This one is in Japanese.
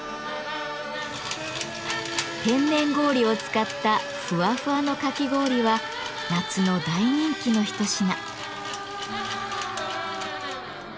天然氷を使ったふわふわのかき氷は夏の大人気の一品。